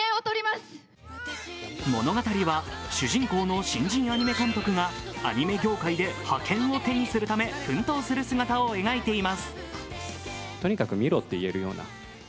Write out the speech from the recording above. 物語は主人公の新人アニメ監督がアニメ業界で覇権を手にするため奮闘する姿を描いています。